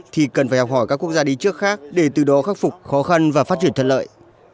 thì cần phải học hỏi các quốc gia đi trước khác để từ đó khắc phục khó khăn và phát triển thân lợi